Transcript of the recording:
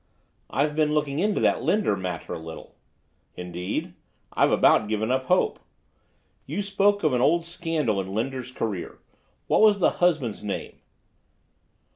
"I've been looking into that Linder matter a little." "Indeed. I've about given up hope." "You spoke of an old scandal in Linder's career. What was the husband's name?"